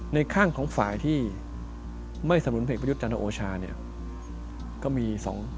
ในข้างของฝ่ายที่ไม่สำรุนเพศประยุทธ์จันทรโอชาเนี่ยก็มี๒๕๓